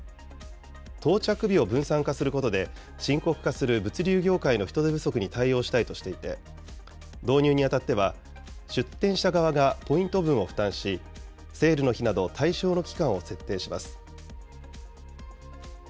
到着日を分散化することで、深刻化する物流業界の人手不足に対応したいとしていて、導入に当たっては、出店者側がポイント分を負担し、セールの日など、対象の期間を設定します。